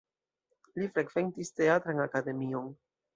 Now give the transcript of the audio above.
Li frekventis Teatran Akademion.